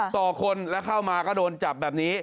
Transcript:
๑๖๐๐๐๒๒๐๐๐ต่อคนค่ามาก็โดนจับแบบนี้